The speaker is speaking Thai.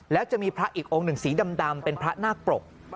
แล้วจะมีพระอีกองค์หนึ่งสีดำเป็นพระนาคปรก